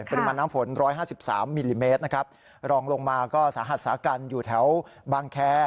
ปริมาณน้ำฝนร้อยห้าสิบสามมิลลิเมตรนะครับรองลงมาก็สาหัสสากันอยู่แถวบางแค